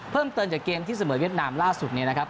เพิ่มเติมจากเกมที่เสมอเวียดนามล่าสุดเนี่ยนะครับ